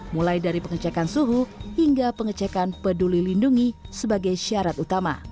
mulai dari pengecekan suhu hingga pengecekan peduli lindungi sebagai syarat utama